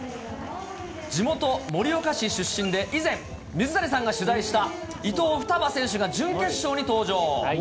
地元、盛岡市出身で、以前、水谷さんが取材した伊藤ふたば選手が準決勝に登場。